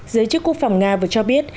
giới chức quốc phòng nga vừa cho biết